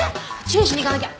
注意しに行かなきゃ。